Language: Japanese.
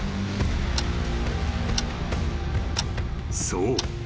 ［そう。